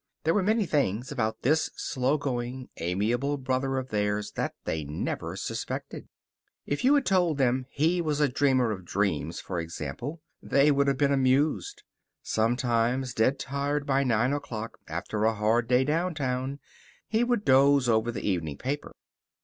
There were many things about this slow going, amiable brother of theirs that they never suspected. If you had told them he was a dreamer of dreams, for example, they would have been amused. Sometimes, dead tired by nine o'clock after a hard day downtown, he would doze over the evening paper.